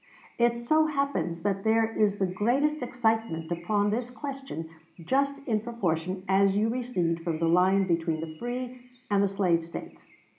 "It so happens that there is the greatest excitement upon this question just in proportion as you recede from the line between the free and the slave States....